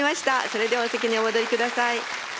それではお席にお戻りください。